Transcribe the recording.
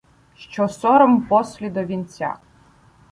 Що сором послі до вінця.